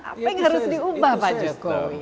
apa yang harus diubah pak jokowi